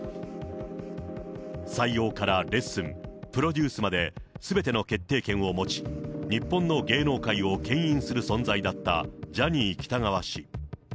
採用からレッスン、プロデュースまで、すべての決定権を持ち、日本の芸能界をけん引する存在だったジャニー喜多川氏。